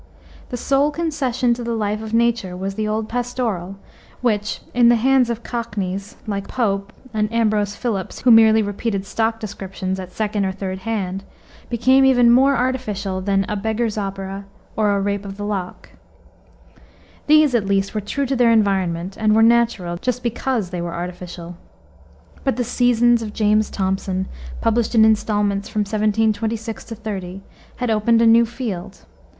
The sole concession to the life of nature was the old pastoral, which, in the hands of cockneys, like Pope and Ambrose Philips, who merely repeated stock descriptions at second or third hand, became even more artificial than a Beggar's Opera or a Rape of the Lock. These, at least, were true to their environment, and were natural, just because they were artificial. But the Seasons of James Thomson, published in installments from 1726 30, had opened a new field.